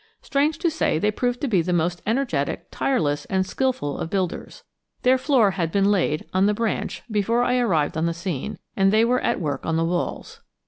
Strange to say, they proved to be the most energetic, tireless, and skillful of builders. Their floor had been laid on the branch before I arrived on the scene, and they were at work on the walls.